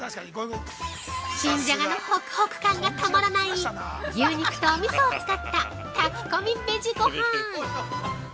◆新じゃがのホクホク感がたまらない牛肉とおみそを使った炊き込みベジごはん。